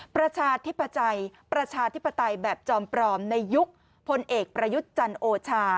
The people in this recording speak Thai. ประชาธิปไตยแบบจอมปลอมในยุคพลเอกประยุจจันโอชา